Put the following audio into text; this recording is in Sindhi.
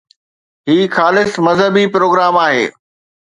هي خالص مذهبي پروگرام آهي